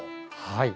はい。